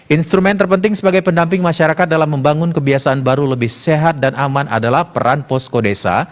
instrumen terpenting sebagai pendamping masyarakat dalam membangun kebiasaan baru lebih sehat dan aman adalah peran posko desa